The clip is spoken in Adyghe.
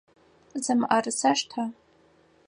Зы мыӏэрысэ штэ!